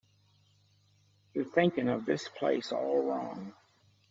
You're thinking of this place all wrong.